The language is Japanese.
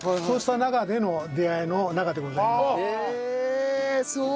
そうした中での出会いの仲でございます。